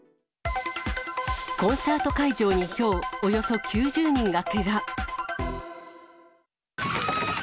コンサート会場にひょう、およそ９０人がけが。